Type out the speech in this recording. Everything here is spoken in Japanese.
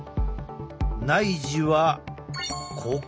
内耳はここ。